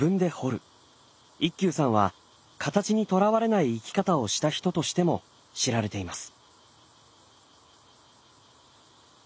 一休さんは形にとらわれない生き方をした人としても知られています。